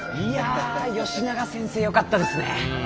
いや吉永先生よかったですね！